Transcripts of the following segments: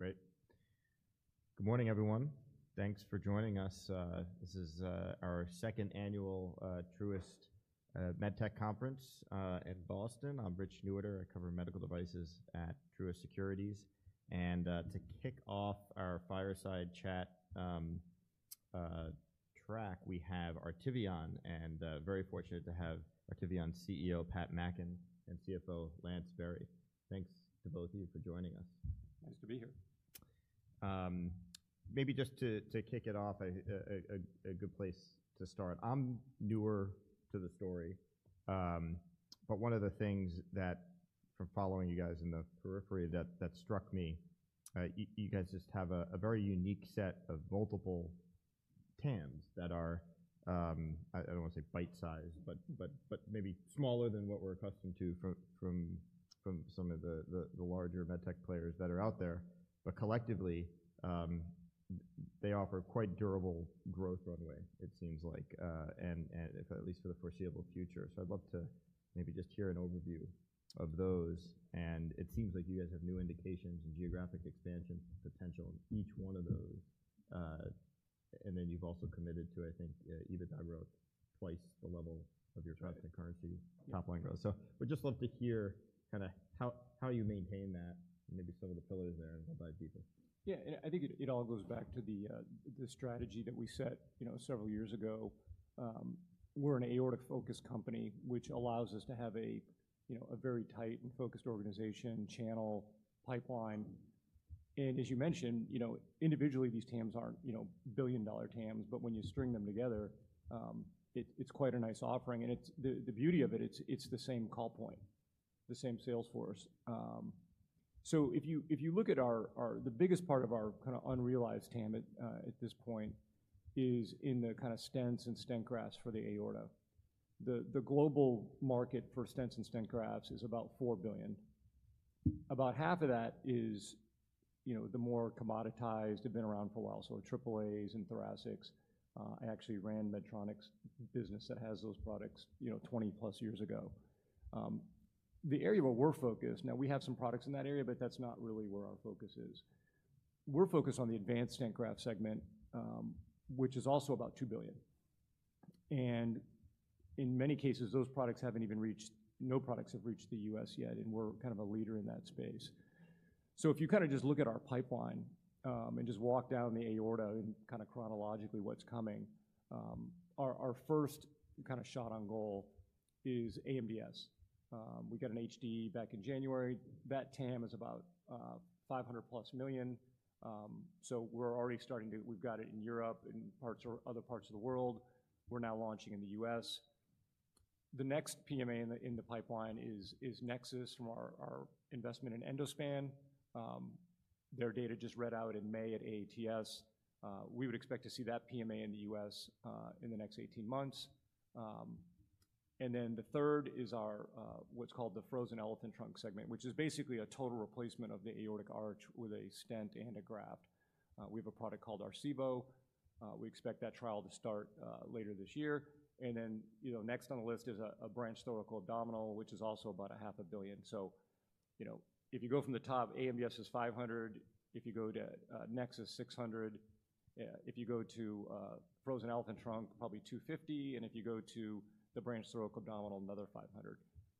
Great. Good morning, everyone. Thanks for joining us. This is our second annual Truist MedTech Conference in Boston. I'm Rich Newitter. I cover medical devices at Truist Securities. To kick off our fireside chat track, we have Artivion. Very fortunate to have Artivion CEO Pat Mackin and CFO Lance Berry. Thanks to both of you for joining us. Nice to be here. Maybe just to kick it off, a good place to start. I'm newer to the story. But one of the things that, from following you guys in the periphery, that struck me, you guys just have a very unique set of multiple TAMs that are—I don't want to say bite-sized, but maybe smaller than what we're accustomed to from some of the larger medtech players that are out there. Collectively, they offer quite durable growth runway, it seems like, and at least for the foreseeable future. I'd love to maybe just hear an overview of those. It seems like you guys have new indications and geographic expansion potential in each one of those. You've also committed to, I think, EBITDA growth twice the level of your price and currency top-line growth. We'd just love to hear kind of how you maintain that, maybe some of the pillars there, and we'll dive deeper. Yeah. I think it all goes back to the strategy that we set several years ago. We're an aortic-focused company, which allows us to have a very tight and focused organization, channel, pipeline. As you mentioned, individually, these TAMs aren't billion-dollar TAMs. When you string them together, it's quite a nice offering. The beauty of it, it's the same call point, the same sales force. If you look at our—the biggest part of our kind of unrealized TAM at this point is in the kind of stents and stent grafts for the aorta. The global market for stents and stent grafts is about $4 billion. About half of that is the more commoditized—they've been around for a while, so AAAs and Thoracics. I actually ran Medtronic's business that has those products 20-plus years ago. The area where we're focused—now, we have some products in that area, but that's not really where our focus is. We're focused on the advanced stent graft segment, which is also about $2 billion. In many cases, those products haven't even reached—no products have reached the U.S. yet. We're kind of a leader in that space. If you kind of just look at our pipeline and just walk down the aorta and kind of chronologically what's coming, our first kind of shot on goal is AMDS. We got an HDE back in January. That TAM is about $500 million-plus. We're already starting to—we've got it in Europe and other parts of the world. We're now launching in the U.S. The next PMA in the pipeline is Nexus from our investment in Endospan. Their data just read out in May at AATS. We would expect to see that PMA in the U.S. in the next 18 months. The third is our what's called the Frozen Elephant Trunk segment, which is basically a total replacement of the aortic arch with a stent and a graft. We have a product called Arcevo. We expect that trial to start later this year. Next on the list is a branch thoraco-abdominal, which is also about $500 million. If you go from the top, AMDS is $500 million. If you go to NEXUS, $600 million. If you go to Frozen Elephant Trunk, probably $250 million. If you go to the branch thoraco-abdominal, another $500 million.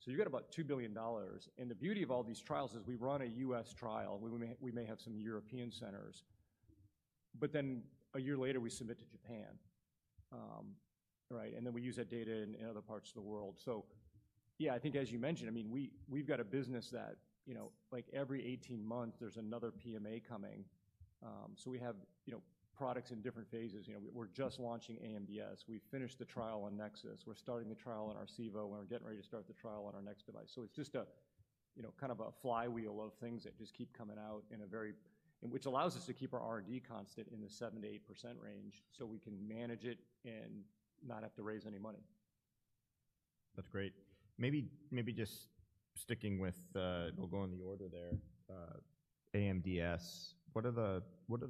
You have about $2 billion. The beauty of all these trials is we run a U.S. trial. We may have some European centers. A year later, we submit to Japan, right? Then we use that data in other parts of the world. Yeah, I think, as you mentioned, I mean, we've got a business that every 18 months, there's another PMA coming. We have products in different phases. We're just launching AMDS. We finished the trial on NEXUS. We're starting the trial on Arcevo, and we're getting ready to start the trial on our next device. It's just kind of a flywheel of things that just keep coming out in a very—which allows us to keep our R&D constant in the 7-8% range so we can manage it and not have to raise any money. That's great. Maybe just sticking with—and we'll go in the order there—AMDS, what are the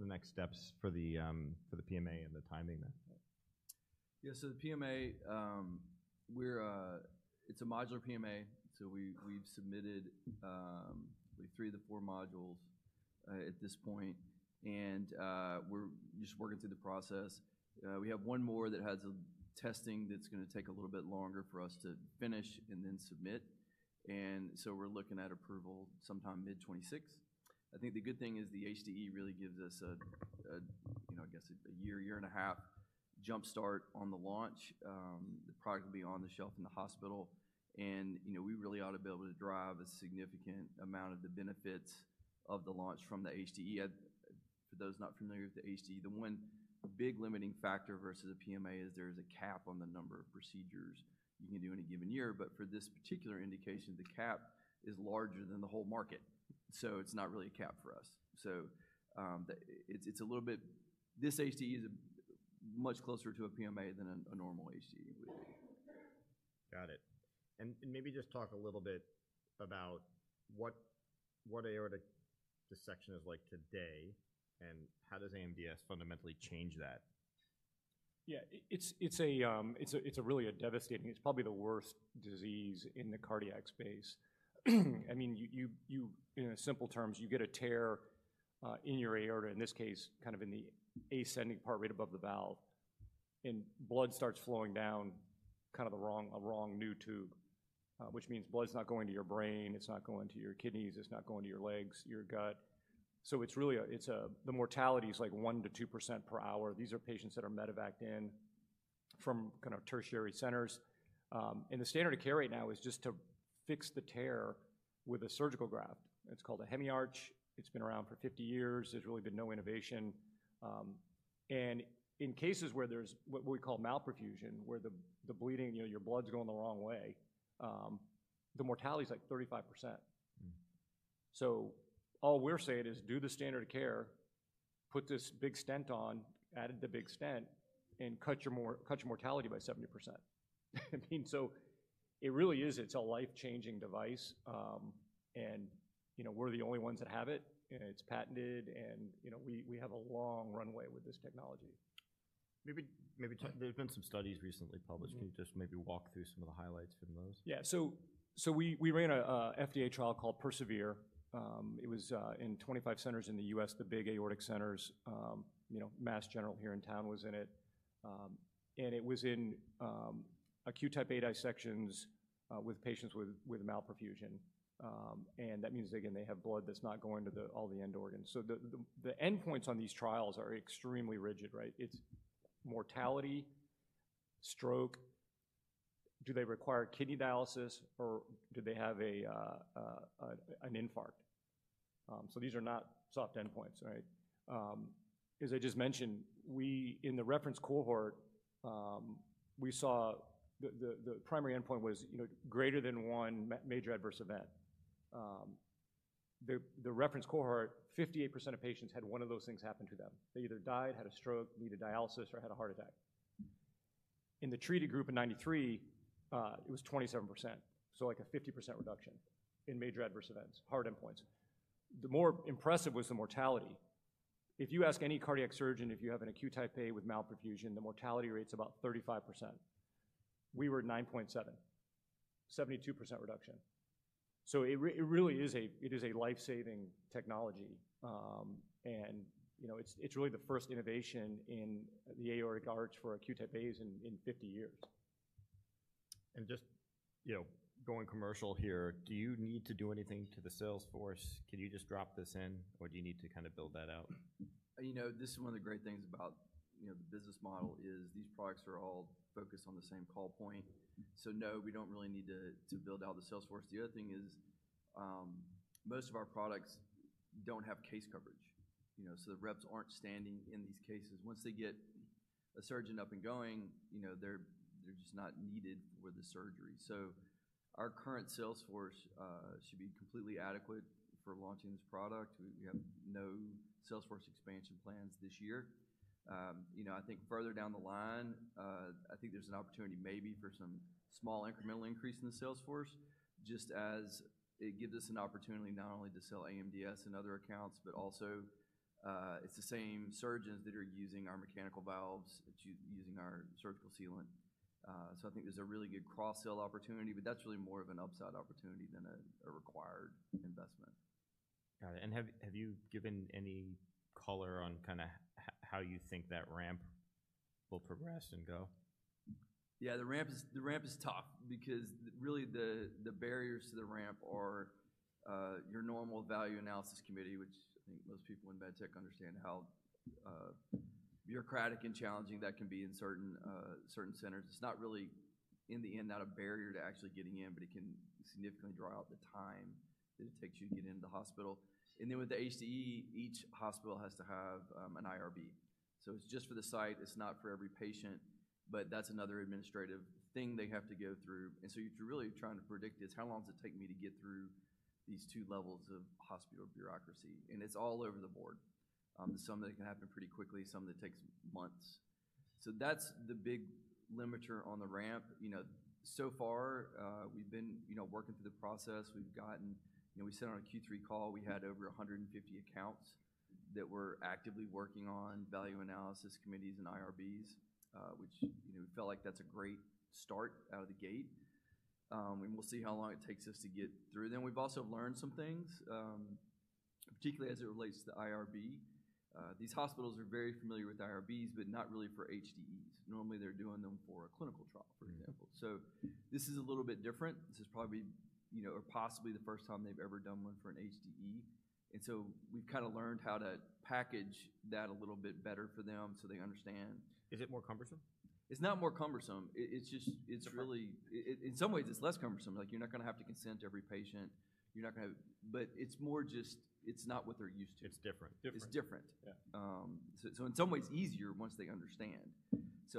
next steps for the PMA and the timing there? Yeah. The PMA, it's a modular PMA. We've submitted three to four modules at this point. We're just working through the process. We have one more that has testing that's going to take a little bit longer for us to finish and then submit. We're looking at approval sometime mid-2026. I think the good thing is the HDE really gives us, I guess, a year, year and a half jumpstart on the launch. The product will be on the shelf in the hospital. We really ought to be able to drive a significant amount of the benefits of the launch from the HDE. For those not familiar with the HDE, the one big limiting factor versus a PMA is there is a cap on the number of procedures you can do in a given year. For this particular indication, the cap is larger than the whole market. So it is not really a cap for us. It is a little bit—this HDE is much closer to a PMA than a normal HDE. Got it. Maybe just talk a little bit about what aortic dissection is like today and how does AMDS fundamentally change that. Yeah. It's really a devastating—it's probably the worst disease in the cardiac space. I mean, in simple terms, you get a tear in your aorta, in this case, kind of in the ascending part right above the valve. And blood starts flowing down kind of a wrong new tube, which means blood's not going to your brain. It's not going to your kidneys. It's not going to your legs, your gut. It's really—the mortality is like 1-2% per hour. These are patients that are medevaced in from kind of tertiary centers. The standard of care right now is just to fix the tear with a surgical graft. It's called a hemi-arch. It's been around for 50 years. There's really been no innovation. In cases where there's what we call malperfusion, where the bleeding, your blood's going the wrong way, the mortality is like 35%. All we're saying is do the standard of care, put this big stent on, add the big stent, and cut your mortality by 70%. I mean, it really is—it's a life-changing device. We're the only ones that have it. It's patented. We have a long runway with this technology. Maybe there's been some studies recently published. Can you just maybe walk through some of the highlights from those? Yeah. So we ran an FDA trial called PERSEVERE. It was in 25 centers in the U.S., the big aortic centers. Mass General here in town was in it. It was in acute type A dissections with patients with malperfusion. That means, again, they have blood that's not going to all the end organs. The endpoints on these trials are extremely rigid, right? It's mortality, stroke, do they require kidney dialysis, or do they have an infarct? These are not soft endpoints, right? As I just mentioned, in the reference cohort, we saw the primary endpoint was greater than one major adverse event. The reference cohort, 58% of patients had one of those things happen to them. They either died, had a stroke, needed dialysis, or had a heart attack. In the treated group in 1993, it was 27%. Like a 50% reduction in major adverse events, hard endpoints. The more impressive was the mortality. If you ask any cardiac surgeon, if you have an acute type A with malperfusion, the mortality rate's about 35%. We were 9.7%, 72% reduction. It really is a life-saving technology. It is really the first innovation in the aortic arch for acute type As in 50 years. Just going commercial here, do you need to do anything to the sales force? Can you just drop this in, or do you need to kind of build that out? This is one of the great things about the business model is these products are all focused on the same call point. No, we do not really need to build out the sales force. The other thing is most of our products do not have case coverage. The reps are not standing in these cases. Once they get a surgeon up and going, they are just not needed for the surgery. Our current sales force should be completely adequate for launching this product. We have no sales force expansion plans this year. I think further down the line, I think there is an opportunity maybe for some small incremental increase in the sales force, just as it gives us an opportunity not only to sell AMDS and other accounts, but also it is the same surgeons that are using our mechanical valves, using our surgical sealant. I think there's a really good cross-sale opportunity, but that's really more of an upside opportunity than a required investment. Got it. Have you given any color on kind of how you think that ramp will progress and go? Yeah. The ramp is tough because really the barriers to the ramp are your normal value analysis committee, which I think most people in medtech understand how bureaucratic and challenging that can be in certain centers. It's not really, in the end, not a barrier to actually getting in, but it can significantly draw out the time that it takes you to get into the hospital. With the HDE, each hospital has to have an IRB. It's just for the site. It's not for every patient. That's another administrative thing they have to go through. You're really trying to predict is how long does it take me to get through these two levels of hospital bureaucracy? It's all over the board. There are some that can happen pretty quickly, some that takes months. That's the big limiter on the ramp. So far, we've been working through the process. We've gotten—we sat on a Q3 call. We had over 150 accounts that we're actively working on value analysis committees and IRBs, which we felt like that's a great start out of the gate. We'll see how long it takes us to get through them. We've also learned some things, particularly as it relates to the IRB. These hospitals are very familiar with IRBs, but not really for HDEs. Normally, they're doing them for a clinical trial, for example. This is a little bit different. This is probably or possibly the first time they've ever done one for an HDE. We've kind of learned how to package that a little bit better for them so they understand. Is it more cumbersome? It's not more cumbersome. It's just—in some ways, it's less cumbersome. You're not going to have to consent to every patient. You're not going to have—but it's more just—it's not what they're used to. It's different. It's different. In some ways, easier once they understand.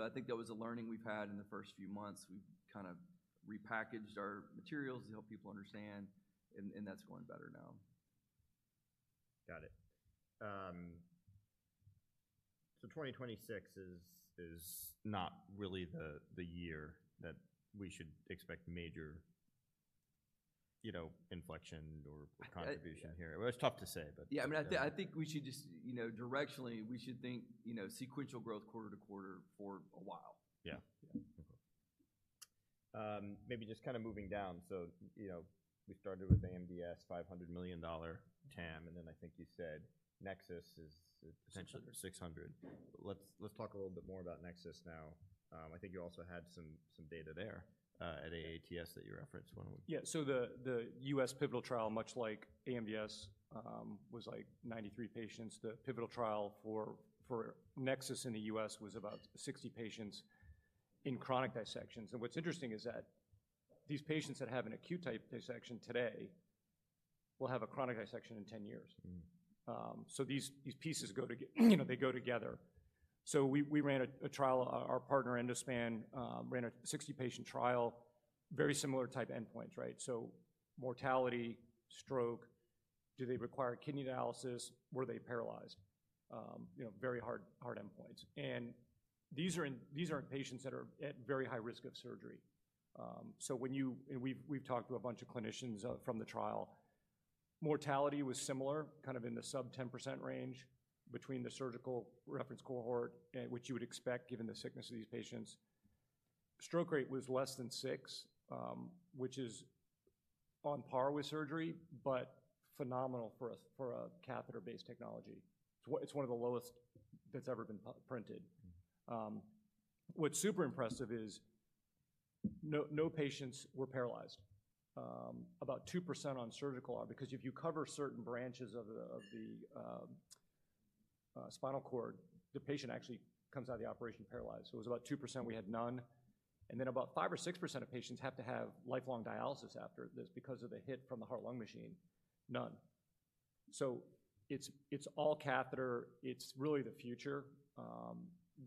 I think that was a learning we've had in the first few months. We've kind of repackaged our materials to help people understand. That's going better now. Got it. 2026 is not really the year that we should expect major inflection or contribution here. It's tough to say, but. Yeah. I mean, I think we should just directionally, we should think sequential growth quarter to quarter for a while. Yeah. Maybe just kind of moving down. So we started with AMDS, $500 million TAM. And then I think you said NEXUS is potentially 600. Let's talk a little bit more about NEXUS now. I think you also had some data there at AATS that you referenced when we— Yeah. The U.S. pivotal trial, much like AMDS, was like 93 patients. The pivotal trial for NEXUS in the U.S. was about 60 patients in chronic dissections. What's interesting is that these patients that have an acute type dissection today will have a chronic dissection in 10 years. These pieces go together. We ran a trial. Our partner, Endospan, ran a 60-patient trial, very similar type endpoints, right? Mortality, stroke, do they require kidney dialysis, were they paralyzed? Very hard endpoints. These are patients that are at very high risk of surgery. When you—and we've talked to a bunch of clinicians from the trial. Mortality was similar, kind of in the sub 10% range between the surgical reference cohort, which you would expect given the sickness of these patients. Stroke rate was less than six, which is on par with surgery, but phenomenal for a catheter-based technology. It's one of the lowest that's ever been printed. What's super impressive is no patients were paralyzed. About 2% on surgical arm. Because if you cover certain branches of the spinal cord, the patient actually comes out of the operation paralyzed. So it was about 2%. We had none. Then about 5-6% of patients have to have lifelong dialysis after this because of the hit from the heart-lung machine. None. It's all catheter. It's really the future.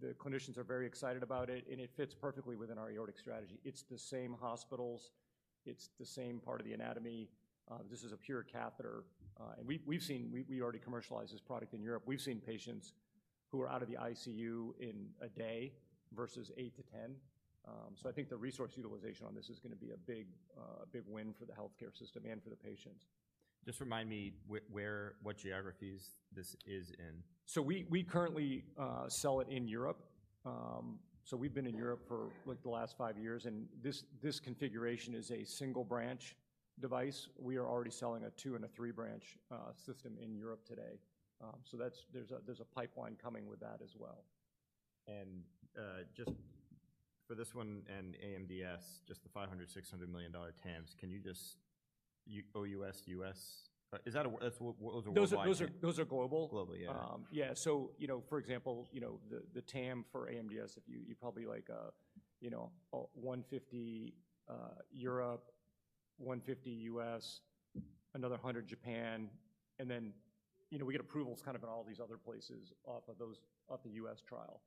The clinicians are very excited about it. It fits perfectly within our aortic strategy. It's the same hospitals. It's the same part of the anatomy. This is a pure catheter. We've seen—we already commercialized this product in Europe. We've seen patients who are out of the ICU in a day versus 8-10. I think the resource utilization on this is going to be a big win for the healthcare system and for the patients. Just remind me what geographies this is in. We currently sell it in Europe. We have been in Europe for the last five years. This configuration is a single branch device. We are already selling a two and a three branch system in Europe today. There is a pipeline coming with that as well. Just for this one and AMDS, just the $500-$600 million TAMs, can you just—OUS, U.S.? Is that what was the word? Those are global. Global, yeah. Yeah. For example, the TAM for AMDS, you are probably like $150 Europe, $150 U.S., another $100 Japan. We get approvals kind of in all these other places off of the US trial.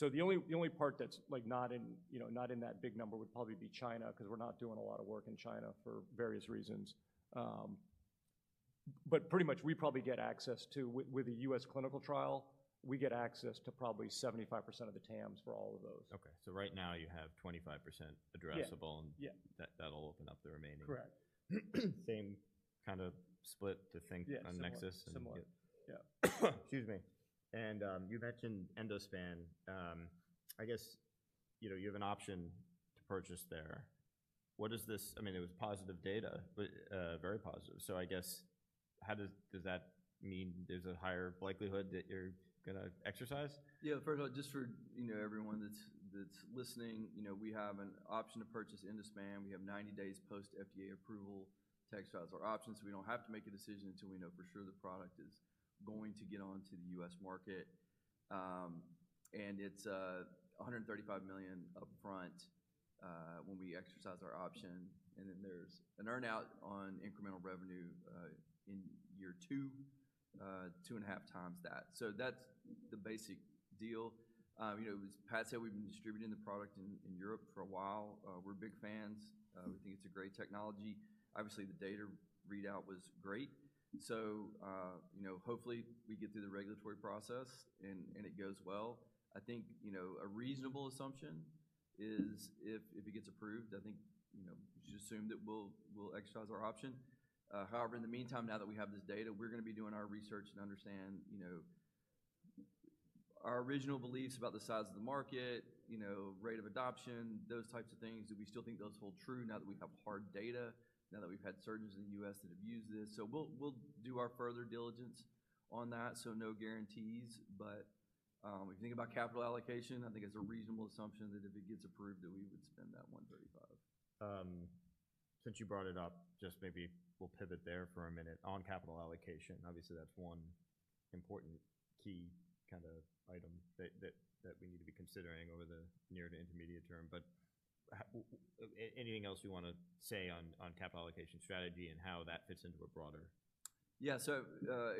The only part that is not in that big number would probably be China because we are not doing a lot of work in China for various reasons. Pretty much we probably get access to—with the U.S. clinical trial, we get access to probably 75% of the TAMs for all of those. Okay. So right now you have 25% addressable, and that'll open up the remaining. Correct. Same. Kind of split to think on Nexus and. Yeah. Similar. Yeah. Excuse me. You mentioned Endospan. I guess you have an option to purchase there. What does this—I mean, it was positive data, but very positive. I guess how does that mean there's a higher likelihood that you're going to exercise? Yeah. First of all, just for everyone that's listening, we have an option to purchase Endospan. We have 90 days post-FDA approval. Text files are options. So we don't have to make a decision until we know for sure the product is going to get onto the U.S. market. And it's $135 million upfront when we exercise our option. Then there's an earn-out on incremental revenue in year two, two and a half times that. That's the basic deal. As Pat said, we've been distributing the product in Europe for a while. We're big fans. We think it's a great technology. Obviously, the data readout was great. Hopefully, we get through the regulatory process and it goes well. I think a reasonable assumption is if it gets approved, I think we should assume that we'll exercise our option. However, in the meantime, now that we have this data, we're going to be doing our research and understand our original beliefs about the size of the market, rate of adoption, those types of things. Do we still think those hold true now that we have hard data, now that we've had surgeons in the U.S. that have used this? We'll do our further diligence on that. No guarantees. If you think about capital allocation, I think it's a reasonable assumption that if it gets approved, we would spend that $135. Since you brought it up, just maybe we'll pivot there for a minute on capital allocation. Obviously, that's one important key kind of item that we need to be considering over the near to intermediate term. Anything else you want to say on capital allocation strategy and how that fits into a broader? Yeah. So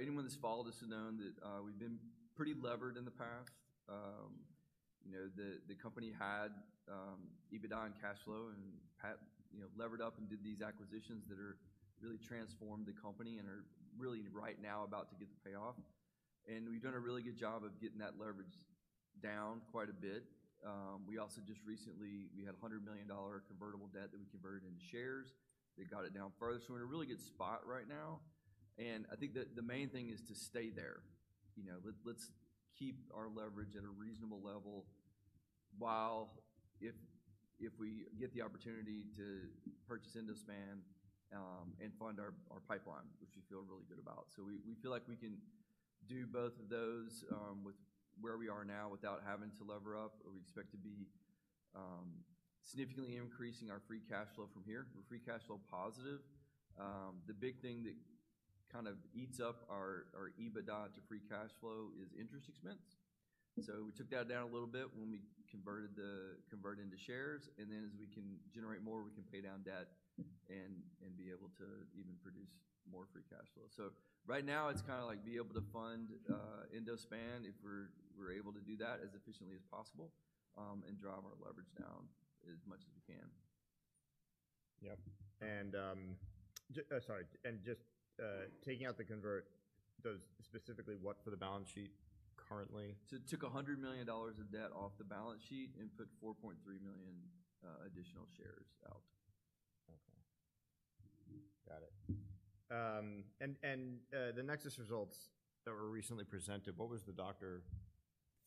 anyone that's followed us has known that we've been pretty levered in the past. The company had EBITDA and cash flow, and Pat levered up and did these acquisitions that have really transformed the company and are really right now about to get the payoff. We've done a really good job of getting that leverage down quite a bit. We also just recently had $100 million convertible debt that we converted into shares. They got it down further. We're in a really good spot right now. I think that the main thing is to stay there. Let's keep our leverage at a reasonable level while if we get the opportunity to purchase Endospan and fund our pipeline, which we feel really good about. We feel like we can do both of those with where we are now without having to lever up. We expect to be significantly increasing our free cash flow from here. We're free cash flow positive. The big thing that kind of eats up our EBITDA to free cash flow is interest expense. We took that down a little bit when we converted into shares. As we can generate more, we can pay down debt and be able to even produce more free cash flow. Right now, it's kind of like be able to fund Endospan if we're able to do that as efficiently as possible and drive our leverage down as much as we can. Yep. Sorry. Just taking out the convert, specifically what for the balance sheet currently? Took $100 million of debt off the balance sheet and put $4.3 million additional shares out. Okay. Got it. The NEXUS results that were recently presented, what was the doctor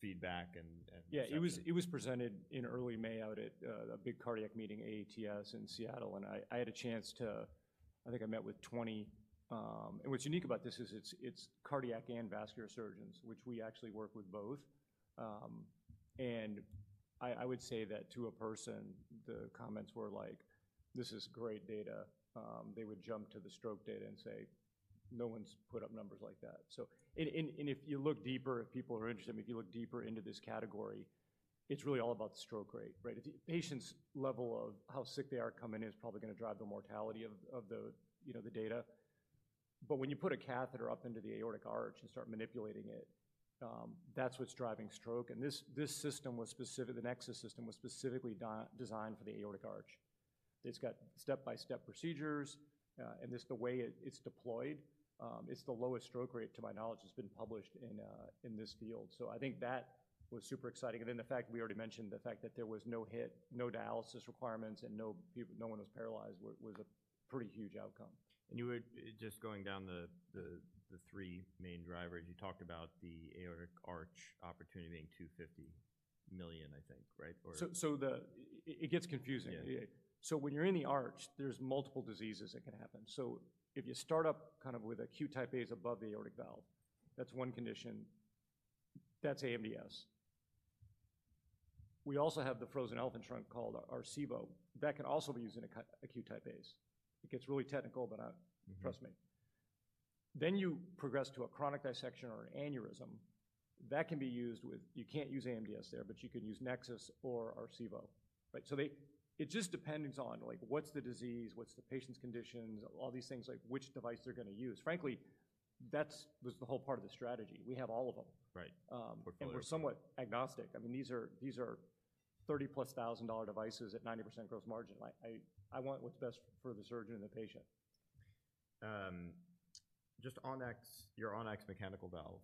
feedback? Yeah. It was presented in early May out at a big cardiac meeting, AATS in Seattle. I had a chance to—I think I met with 20. What's unique about this is it's cardiac and vascular surgeons, which we actually work with both. I would say that to a person, the comments were like, "This is great data." They would jump to the stroke data and say, "No one's put up numbers like that." If you look deeper, if people are interested, if you look deeper into this category, it's really all about the stroke rate, right? The patient's level of how sick they are coming in is probably going to drive the mortality of the data. When you put a catheter up into the aortic arch and start manipulating it, that's what's driving stroke. This system was specific—the Nexus system was specifically designed for the aortic arch. It has step-by-step procedures. The way it is deployed, it is the lowest stroke rate, to my knowledge, that has been published in this field. I think that was super exciting. The fact we already mentioned, the fact that there was no hit, no dialysis requirements, and no one was paralyzed was a pretty huge outcome. Just going down the three main drivers, you talked about the aortic arch opportunity being $250 million, I think, right? It gets confusing. When you're in the arch, there's multiple diseases that can happen. If you start up kind of with acute type A's above the aortic valve, that's one condition. That's AMDS. We also have the Frozen Elephant Trunk called Arcevo. That can also be used in acute type As. It gets really technical, but trust me. Then you progress to a chronic dissection or an aneurysm. You can't use AMDS there, but you can use NEXUS or Arcevo, right? It just depends on what's the disease, what's the patient's conditions, all these things, like which device they're going to use. Frankly, that was the whole part of the strategy. We have all of them. Right. Portfolio. We're somewhat agnostic. I mean, these are $30,000+ devices at 90% gross margin. I want what's best for the surgeon and the patient. Just On-X, your On-X mechanical valve.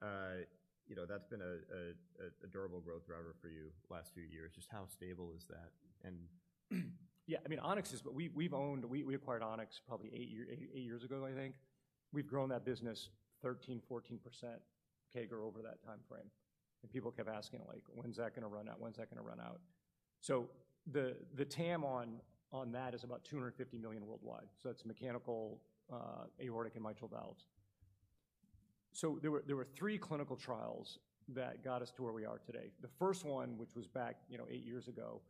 That's been a durable growth driver for you the last few years. Just how stable is that? Yeah. I mean, On-X is—we acquired On-X probably eight years ago, I think. We've grown that business 13-14% CAGR over that time frame. People kept asking, "When's that going to run out? When's that going to run out?" The TAM on that is about $250 million worldwide. That's mechanical, aortic, and mitral valves. There were three clinical trials that got us to where we are today. The first one, which was back eight years ago,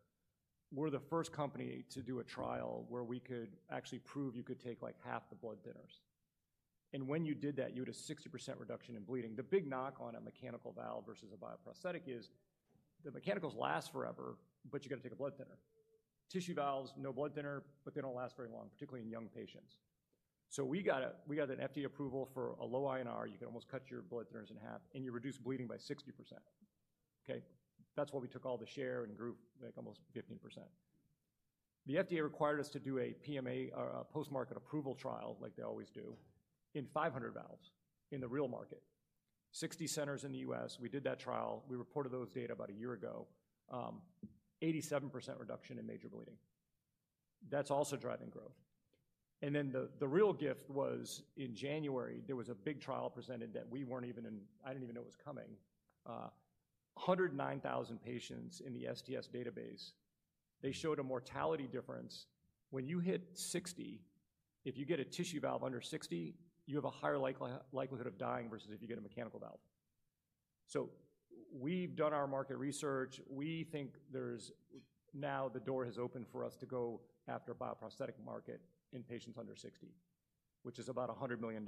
we were the first company to do a trial where we could actually prove you could take half the blood thinners. When you did that, you had a 60% reduction in bleeding. The big knock on a mechanical valve versus a bioprosthetic is the mechanicals last forever, but you got to take a blood thinner. Tissue valves, no blood thinner, but they don't last very long, particularly in young patients. We got an FDA approval for a low INR. You can almost cut your blood thinners in half, and you reduce bleeding by 60%. That's why we took all the share and grew almost 15%. The FDA required us to do a PMA or a post-market approval trial like they always do in 500 valves in the real market, 60 centers in the U.S. We did that trial. We reported those data about a year ago. 87% reduction in major bleeding. That's also driving growth. The real gift was in January, there was a big trial presented that we weren't even in—I didn't even know it was coming. 109,000 patients in the SDS database. They showed a mortality difference. When you hit 60, if you get a tissue valve under 60, you have a higher likelihood of dying versus if you get a mechanical valve. So we've done our market research. We think now the door has opened for us to go after a bioprosthetic market in patients under 60, which is about a $100 million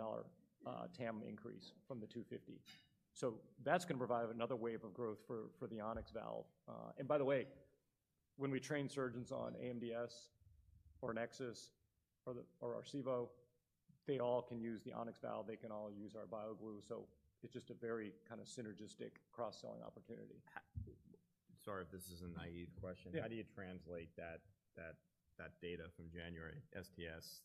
TAM increase from the $250 million. So that's going to provide another wave of growth for the On-X valve. And by the way, when we train surgeons on AMDS or NEXUS or Arcevo, they all can use the On-X valve. They can all use our BioGlue. So it's just a very kind of synergistic cross-selling opportunity. Sorry if this is a naive question. How do you translate that data from January, SDS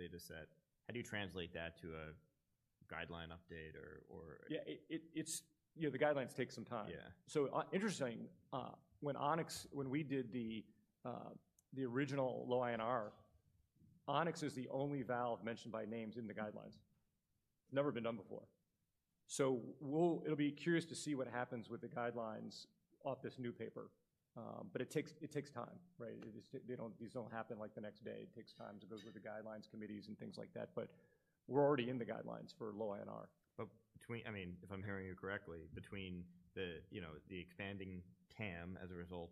dataset? How do you translate that to a guideline update or? Yeah. The guidelines take some time. So interesting, when we did the original low INR, On-X is the only valve mentioned by name in the guidelines. It's never been done before. It'll be curious to see what happens with the guidelines off this new paper. It takes time, right? These don't happen like the next day. It takes time to go through the guidelines committees and things like that. We're already in the guidelines for low INR. I mean, if I'm hearing you correctly, between the expanding TAM as a result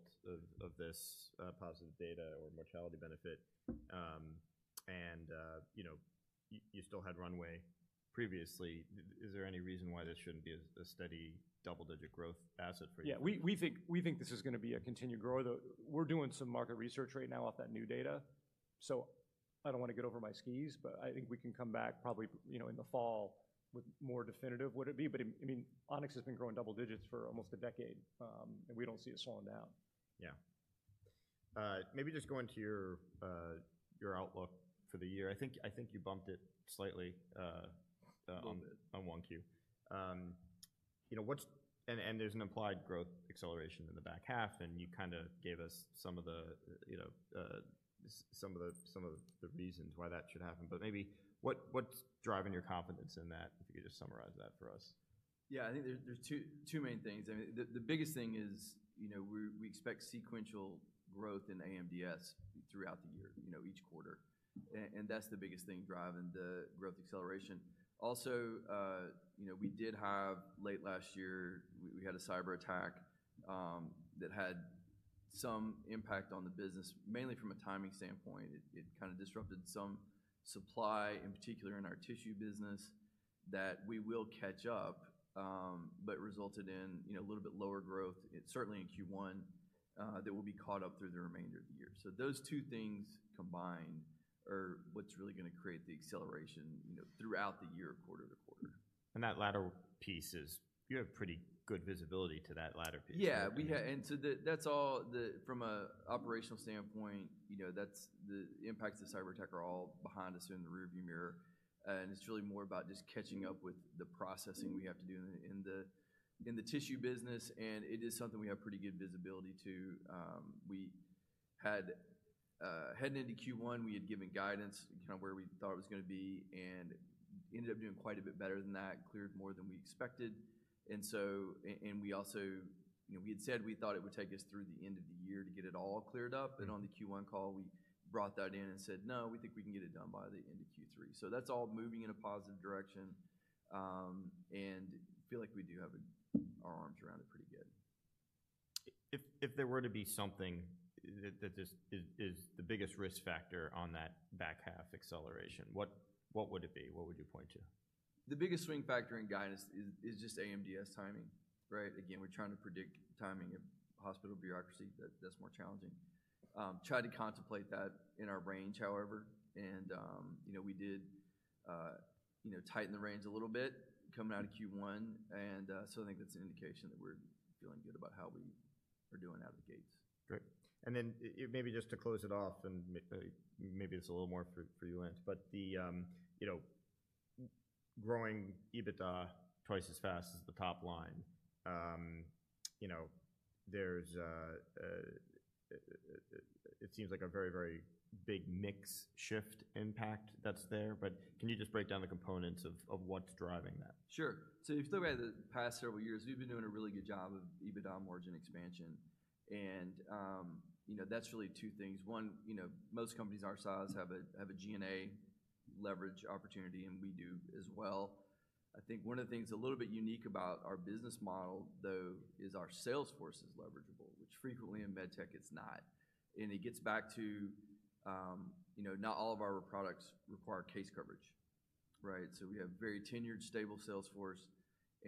of this positive data or mortality benefit and you still had runway previously, is there any reason why this shouldn't be a steady double-digit growth asset for you? Yeah. We think this is going to be a continued growth. We're doing some market research right now off that new data. I don't want to get over my skis, but I think we can come back probably in the fall with more definitive what it would be. I mean, On-X has been growing double digits for almost a decade, and we don't see it slowing down. Yeah. Maybe just going to your outlook for the year. I think you bumped it slightly on 1Q. There's an implied growth acceleration in the back half, and you kind of gave us some of the reasons why that should happen. Maybe what's driving your confidence in that, if you could just summarize that for us? Yeah. I think there's two main things. I mean, the biggest thing is we expect sequential growth in AMDS throughout the year, each quarter. That's the biggest thing driving the growth acceleration. Also, we did have late last year, we had a cyber attack that had some impact on the business, mainly from a timing standpoint. It kind of disrupted some supply, in particular in our tissue business, that we will catch up, but resulted in a little bit lower growth, certainly in Q1, that will be caught up through the remainder of the year. Those two things combined are what's really going to create the acceleration throughout the year, quarter to quarter. You have pretty good visibility to that latter piece. Yeah. That's all from an operational standpoint. The impacts of cyber attack are all behind us in the rearview mirror. It's really more about just catching up with the processing we have to do in the tissue business. It is something we have pretty good visibility to. Heading into Q1, we had given guidance kind of where we thought it was going to be and ended up doing quite a bit better than that, cleared more than we expected. We also had said we thought it would take us through the end of the year to get it all cleared up. On the Q1 call, we brought that in and said, "No, we think we can get it done by the end of Q3." That's all moving in a positive direction. I feel like we do have our arms around it pretty good. If there were to be something that is the biggest risk factor on that back half acceleration, what would it be? What would you point to? The biggest swing factor in guidance is just AMDS timing, right? Again, we're trying to predict timing of hospital bureaucracy. That's more challenging. Try to contemplate that in our range, however. We did tighten the range a little bit coming out of Q1. I think that's an indication that we're feeling good about how we are doing out of the gates. Great. Maybe just to close it off, and maybe it's a little more for you, Lance, but the growing EBITDA twice as fast as the top line, it seems like a very, very big mix shift impact that's there. Can you just break down the components of what's driving that? Sure. If you look at the past several years, we've been doing a really good job of EBITDA margin expansion. That's really two things. One, most companies our size have a G&A leverage opportunity, and we do as well. I think one of the things a little bit unique about our business model, though, is our sales force is leverageable, which frequently in med tech, it's not. It gets back to not all of our products require case coverage, right? We have very tenured, stable sales force,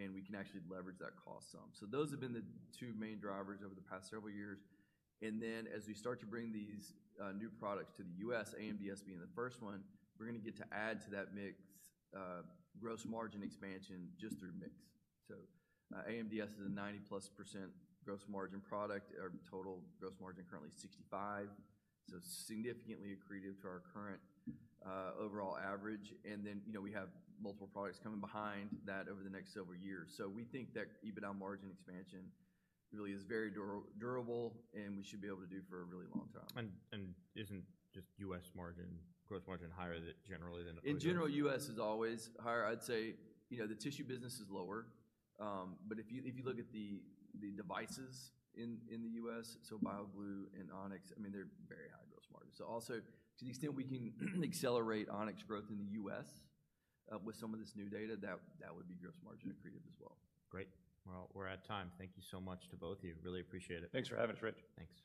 and we can actually leverage that cost some. Those have been the two main drivers over the past several years. As we start to bring these new products to the U.S., AMDS being the first one, we're going to get to add to that mix gross margin expansion just through mix. AMDS is a 90%+ gross margin product. Our total gross margin currently is 65%. Significantly accretive to our current overall average. We have multiple products coming behind that over the next several years. We think that EBITDA margin expansion really is very durable, and we should be able to do for a really long time. Isn't just U.S. margin gross margin higher generally than it was? In general, U.S. is always higher. I'd say the tissue business is lower. If you look at the devices in the U.S., so BioGlue and On-X, I mean, they're very high gross margins. Also, to the extent we can accelerate On-X growth in the U.S. with some of this new data, that would be gross margin accretive as well. Great. We are at time. Thank you so much to both of you. Really appreciate it. Thanks for having us, Rich.